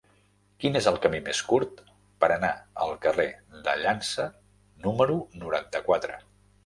Quin és el camí més curt per anar al carrer de Llança número noranta-quatre?